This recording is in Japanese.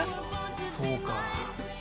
そうか。